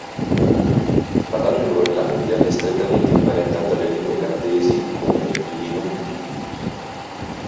Parlato in Groenlandia, è strettamente imparentata alle lingue canadesi come l'inuktitut.